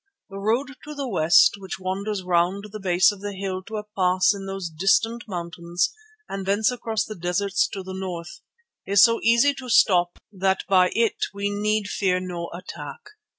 The road to the west, which wanders round the base of the hill to a pass in those distant mountains and thence across the deserts to the north, is so easy to stop that by it we need fear no attack.